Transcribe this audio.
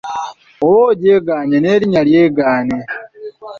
Oba ogyegaanye n'erinya lyegaane.